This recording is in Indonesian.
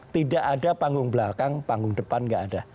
tidak ada panggung belakang panggung depan nggak ada